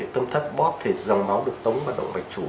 tâm thất bóp thì dòng máu được tống vào động mạch chủ